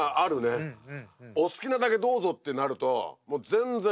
お好きなだけどうぞってなるともう全然面白くない。